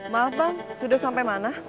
maaf pak sudah sampai mana